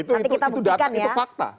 itu datang itu fakta